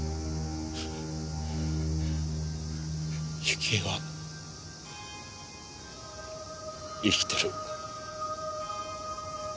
雪絵は生きてる。